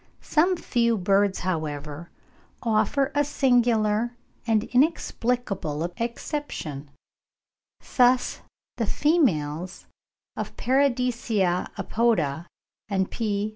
Some few birds, however, offer a singular and inexplicable exception; thus the females of Paradisea apoda and P.